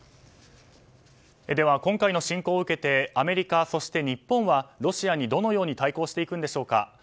では今回の侵攻を受けてアメリカ、そして日本はロシアにどのように対抗していくんでしょうか。